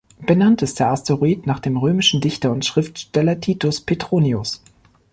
Benannt ist der Asteroid nach dem römischen Dichter und Schriftsteller Titus Petronius.